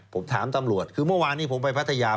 ผมถามตำรวจคือเมื่อวานนี้ผมไปพัทยา